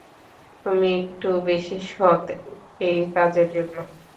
তুমি একটু বেশি সৎ এই কাজের জন্য।